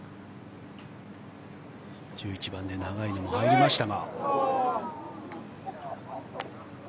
１１番で長いのも入りましたが。